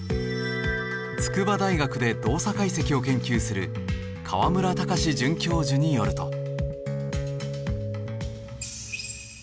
筑波大学で動作解析を研究する川村卓准教授によると。